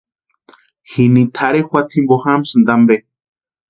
Jini tʼarhe juata jimpo jamsïnti ampe.